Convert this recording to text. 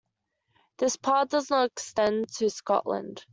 This Part does not extend to Scotland.